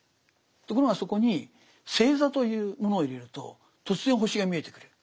ところがそこに星座というものを入れると突然星が見えてくる。